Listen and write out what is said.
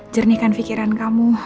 jernihkan pikiran kamu